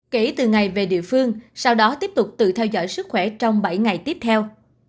kể từ ngày về địa phương sau đó tiếp tục tự theo dõi sức khỏe trong bảy ngày tiếp theo